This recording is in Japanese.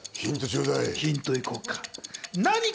ヒント行こうか。